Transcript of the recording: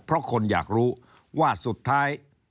เพราะคนอยากรู้ว่าสุดท้าย